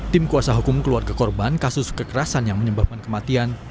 tim kuasa hukum keluarga korban kasus kekerasan yang menyebabkan kematian